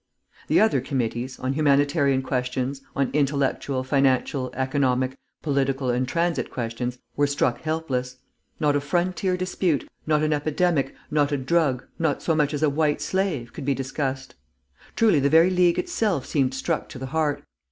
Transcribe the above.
The other committees, on humanitarian questions, on intellectual, financial, economic, political, and transit questions, were struck helpless. Not a frontier dispute, not an epidemic, not a drug, not so much as a White Slave, could be discussed. Truly the very League itself seemed struck to the heart.